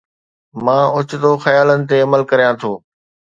مان اوچتو خيالن تي عمل ڪريان ٿو